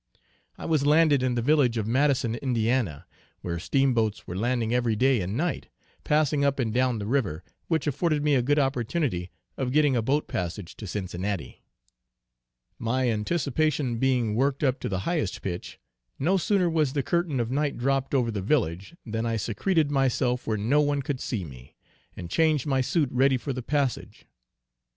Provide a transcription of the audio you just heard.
I was landed in the village of Madison, Indiana, where steamboats were landing every day and night, passing up and down the river, which afforded me a good opportunity of getting a boat passage to Cincinnati. My anticipation being worked up to the highest pitch, no sooner was the curtain of night dropped over the village, than I secreted myself where no one could see me, and changed my suit ready for the passage.